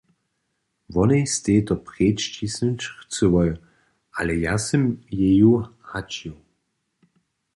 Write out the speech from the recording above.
Wonej stej to preč ćisnyć chcyłoj, ale ja sym jeju haćił.